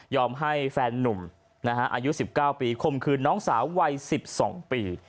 ยอมให้แฟนนุ่มนะฮะอายุสิบเก้าปีคมคืนน้องสาววัยสิบสองปี